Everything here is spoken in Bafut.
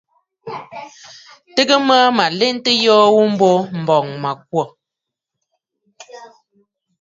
Tɨgə mə mə̀ lɔntə ayoo ghu mbo, m̀bɔŋ mə̀ kwô.